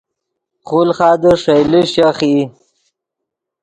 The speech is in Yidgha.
خولخادے ݰئیلے شیخ ای